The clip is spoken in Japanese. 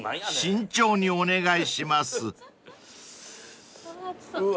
［慎重にお願いします］熱そう。